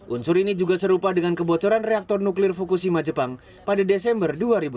unsur ini juga serupa dengan kebocoran reaktor nuklir fukushima jepang pada desember dua ribu dua puluh